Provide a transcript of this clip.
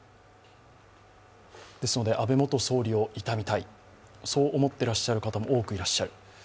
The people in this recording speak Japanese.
ですので、安倍元総理を悼みたい、そう思っていらっしゃる方も多くいらっしゃる。